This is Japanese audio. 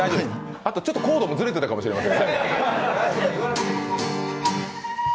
あとコードもずれてたかもしれません。